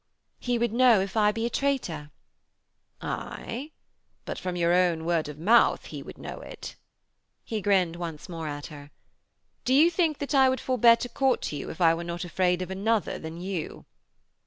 'He would know if I be a traitor.' 'Aye, but from your own word of mouth he would know it.' He grinned once more at her. 'Do you think that I would forbear to court you if I were not afraid of another than you?'